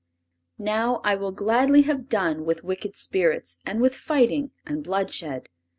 Now I will gladly have done with wicked spirits and with fighting and bloodshed.